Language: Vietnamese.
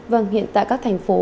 vâng hiện tại các thành phố